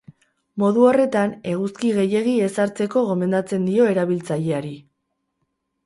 Modu horretan, eguzki gehiegi ez hartzeko gomendatzen dio erabiltzailaeri.